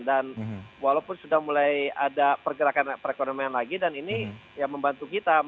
walaupun sudah mulai ada pergerakan perekonomian lagi dan ini ya membantu kita